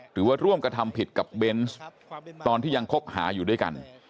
หรือว่าร่วมกระทำผิดกับเบนส์ตอนที่ยังคบหาอยู่ด้วยกัน